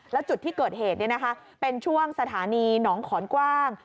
แล้วจุดที่เกิดเหตุเป็นช่วงสถานีหนองขอนกว้าง